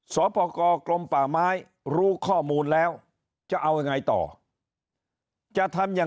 สอบประกอบลมป่าไม้รู้ข้อมูลแล้วจะเอายังไงต่อจะทำอย่าง